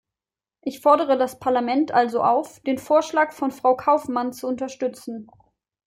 Ich fordere das Parlament also auf, den Vorschlag von Frau Kaufmann zu unterstützen.